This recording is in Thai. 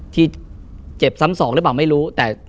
ที่เจ็บซ้ำสองหรือเปล่าไม่รู้แต่